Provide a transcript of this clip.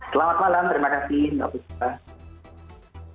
selamat malam terima kasih